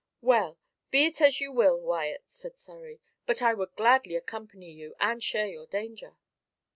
"Well, be it as you will, Wyat," said Surrey; "but I would gladly accompany you, and share your danger."